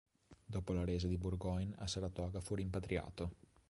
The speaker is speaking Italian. Dopo la resa di Burgoyne a Saratoga fu rimpatriato.